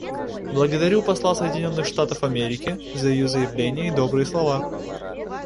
Благодарю посла Соединенных Штатов Америки за ее заявление и добрые слова.